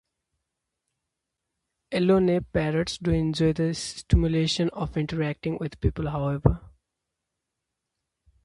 Yellow Nape parrots do enjoy the stimulation of interacting with people however.